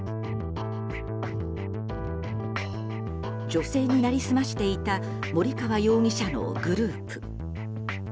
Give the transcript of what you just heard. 女性に成り済ましていた森川容疑者のグループ。